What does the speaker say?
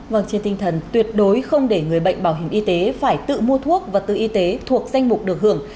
vâng trên tinh thần tuyệt đối không để người bệnh bảo hiểm y tế phải tự mua thuốc và tự y tế thuộc danh mục được hưởng